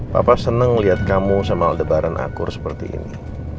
papa seneng liat kamu sama lebaran akur seperti ini